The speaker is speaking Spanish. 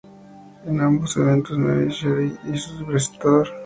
En ambos eventos Minoru Shiraishi hizo de presentador.